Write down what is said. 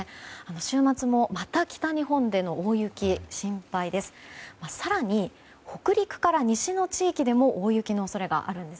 週末も、また北日本での大雪が心配です。